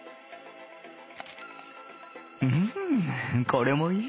んこれもいい。